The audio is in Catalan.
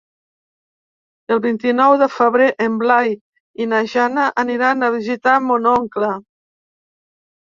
El vint-i-nou de febrer en Blai i na Jana aniran a visitar mon oncle.